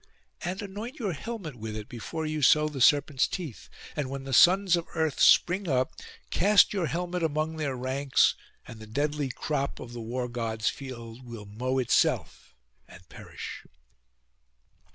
And anoint your helmet with it before you sow the serpents' teeth; and when the sons of earth spring up, cast your helmet among their ranks, and the deadly crop of the War god's field will mow itself, and perish.